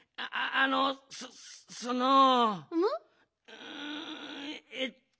うんえっと。